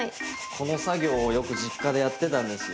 この作業をよく実家でやってたんですよ。